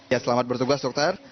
ya selamat bertugas dokter